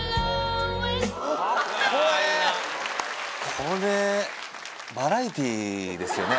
これバラエティーですよね？